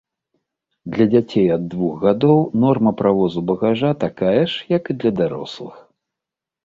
Для дзяцей ад двух гадоў норма правозу багажу такая ж, як і для дарослых.